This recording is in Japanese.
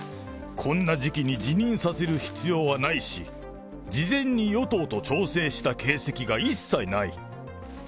こんな時期に辞任させる必要はないし、事前に与党と調整した形跡が一切ない。